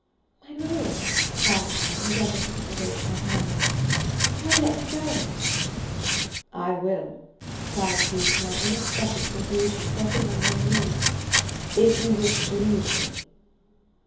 "My Lord," cried I, endeavouring to disengage my hand, "pray let me go!" "I will," cried he, to my inexpressible confusion, dropping on one knee, "if you wish to leave me!"